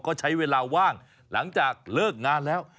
ก็ใช้เวลาว่างหลังจากเลิกงานแล้ว